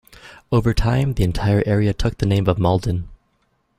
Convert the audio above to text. Over time, the entire area took the name of Mauldin.